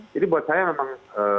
jadi buat saya memang